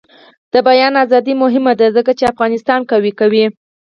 د بیان ازادي مهمه ده ځکه چې افغانستان قوي کوي.